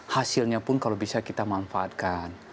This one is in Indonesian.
hasilnya pun kalau bisa kita manfaatkan